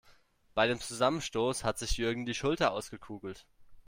Bei dem Zusammenstoß hat sich Jürgen die Schulter ausgekugelt.